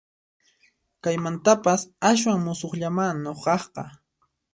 Kaymantapas aswan musuqllamá nuqaqqa